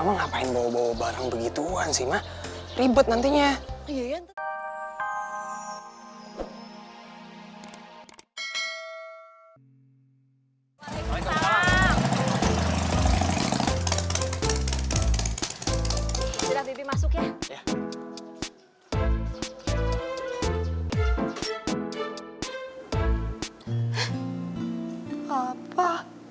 ngapain bawa bawa barang begituan sih mah ribet nantinya iya apa